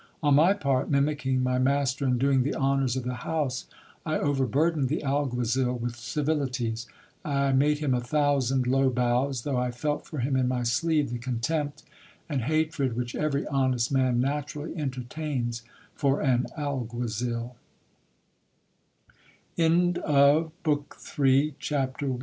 On my part, mimicking my master in doing the honours of the house, I overburdened the alguazil with civilities. I made him a thousand low bows, though I felt for him in my sleeve tie contempt and hatred which every honest man naturally en